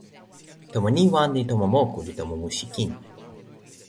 tomo ni wan li tomo moku, li tomo musi kin.